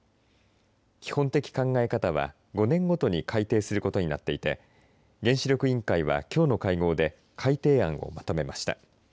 基本的考え方は５年ごとに改定することになっていて原子力委員会は、きょうの会合で改定案をまとめました。